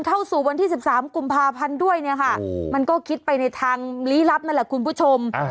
เข้าสู่วันที่๑๓กุมภาพันธ์ด้วยเนี่ยค่ะมันก็คิดไปในทางลี้ลับนั่นแหละคุณผู้ชม